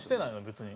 別に。